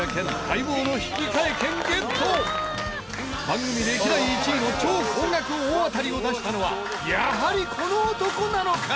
番組歴代１位の超高額大当たりを出したのはやはりこの男なのか！？